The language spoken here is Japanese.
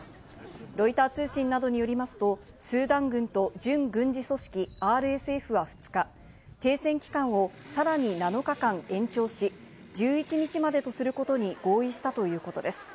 ロイター通信などによりますと、スーダン軍と準軍事組織ＲＳＦは２日、停戦期間をさらに７日間延長し、１１日までとすることに合意したということです。